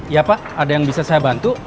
ya pak ada yang bisa saya bantu